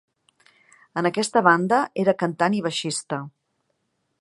En aquesta banda era cantant i baixista.